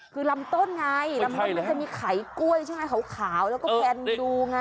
คือลำต้นไงลำต้นมันจะมีไข่กล้วยใช่ไหมขาวแล้วก็แคนดูไง